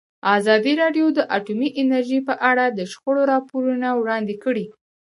ازادي راډیو د اټومي انرژي په اړه د شخړو راپورونه وړاندې کړي.